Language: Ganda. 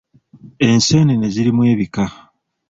Enseenene zirimu ebika.